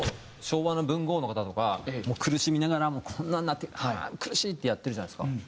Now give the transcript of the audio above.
昭和の文豪の方とかもう苦しみながらもこんなになってああ苦しいってやってるじゃないですか。